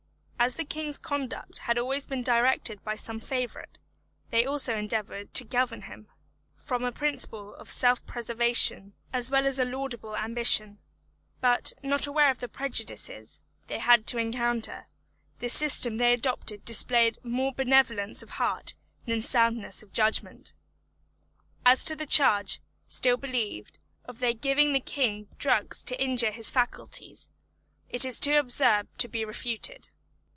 As the king's conduct had always been directed by some favourite, they also endeavoured to govern him, from a principle of self preservation as well as a laudable ambition; but, not aware of the prejudices they had to encounter, the system they adopted displayed more benevolence of heart than soundness of judgment. As to the charge, still believed, of their giving the King drugs to injure his faculties, it is too absurd to be refuted.